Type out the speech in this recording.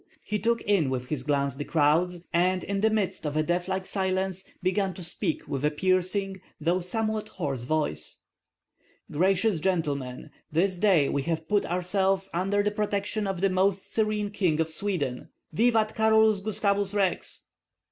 He took in with his glance the crowds, and in the midst of a deathlike silence began to speak with a piercing though somewhat hoarse voice, "Gracious gentlemen, this day we have put ourselves under the protection of the most serene King of Sweden. Vivat Carolus Gustavus Rex!"